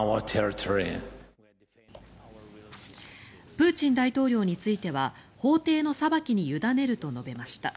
プーチン大統領については法廷の裁きに委ねると述べました。